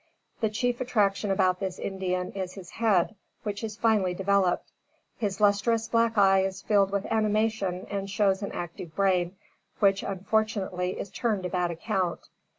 The chief attraction about this Indian is his head, which is finely developed. His lustrous black eye is filled with animation and shows an active brain, which, unfortunately, is turned to bad account.